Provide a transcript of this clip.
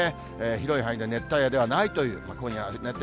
広い範囲で熱帯夜ではないという、予想。